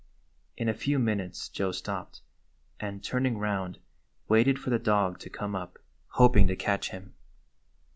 In a few minutes Joe stopped, and, turn ing round, waited for the dog to come up, hop ing to catch him.